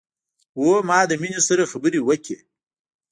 هو ما د مينې سره خبرې وکړې